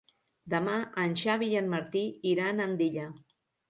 Demà en Xavi i en Martí iran a Andilla.